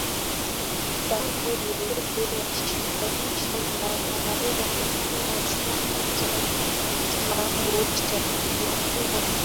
mtaalamu yeyote wa lishe anaweza kufanya hesabu za kiwango cha vyakula